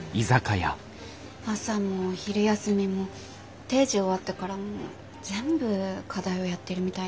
朝も昼休みも定時終わってからも全部課題をやってるみたいで。